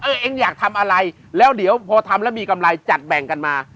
เองอยากทำอะไรแล้วเดี๋ยวพอทำแล้วมีกำไรจัดแบ่งกันมา